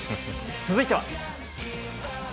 続いては。